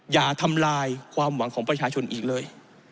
อย่าทำลายความหวังของประชาชนอีกเลย